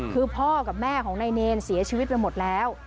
คือพ่อกับแม่ของนายเนรเสียชีวิตไปหมดแล้ว